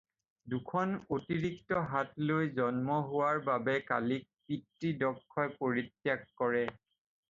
দুখন অতিৰিক্ত হাত লৈ জন্ম হোৱাৰ বাবে কালীক পিতৃ দক্ষই পৰিত্যাগ কৰে।